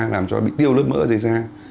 làm cho bị tiêu lớp mỡ ở dưới da